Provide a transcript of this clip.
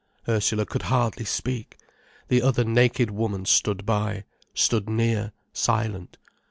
Ursula could hardly speak. The other naked woman stood by, stood near, silent.